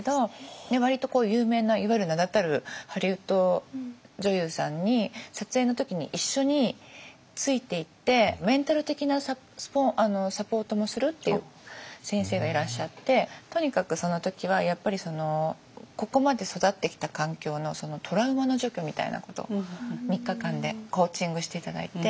割と有名ないわゆる名だたるハリウッド女優さんに撮影の時に一緒についていってメンタル的なサポートもするっていう先生がいらっしゃってとにかくその時はやっぱりここまで育ってきた環境のトラウマの除去みたいなこと３日間でコーチングして頂いて。